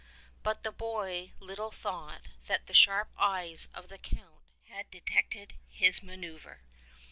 But the boy little thought that the sharp eyes of the Count had detected his manoeuvre.